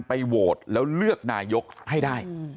โหวตแล้วเลือกนายกให้ได้